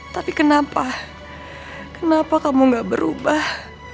tapi kenapa kenapa kamu gak berubah